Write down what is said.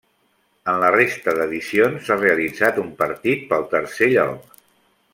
En la resta d'edicions s'ha realitzat un partit pel tercer lloc.